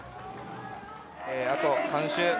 あと３周。